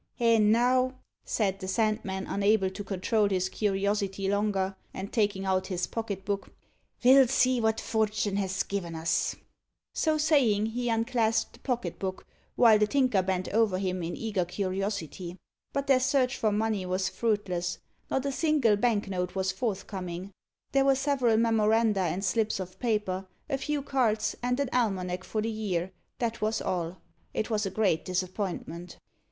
"And now," said the Sandman, unable to control his curiosity longer, and taking out his pocket book, "we'll see what fortun' has given us." [Illustration: The Dog fancier.] So saying, he unclasped the pocket book, while the Tinker bent over him in eager curiosity. But their search for money was fruitless. Not a single bank note was forthcoming. There were several memoranda and slips of paper, a few cards, and an almanac for the year that was all. It was a great disappointment.